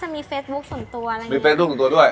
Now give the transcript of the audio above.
มีเฟซบุ๊คส่วนตัวด้วย